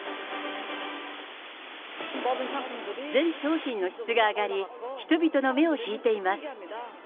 全商品の質が上がり、人々の目を引いています。